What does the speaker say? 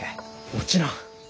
もちろん。